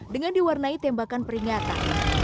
dengan diwarnai tembakan peringatan